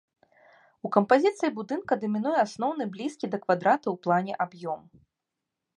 У кампазіцыі будынка дамінуе асноўны блізкі да квадрата ў плане аб'ём.